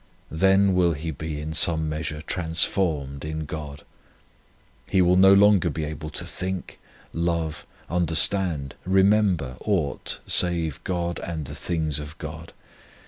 Then will he be in some measure trans formed in God. He will no longer be able to think, love, understand, remember aught save God and the things of God.